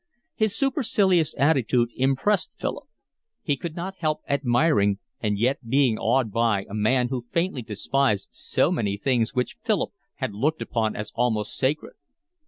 His supercilious attitude impressed Philip. He could not help admiring, and yet being awed by, a man who faintly despised so many things which Philip had looked upon as almost sacred.